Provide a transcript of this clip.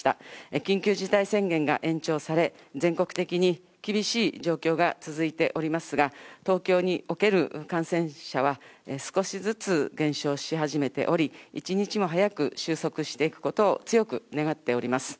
緊急事態宣言が延長され、全国的に厳しい状況が続いておりますが、東京における感染者は、少しずつ減少し始めており、一日も早く収束していくことを強く願っております。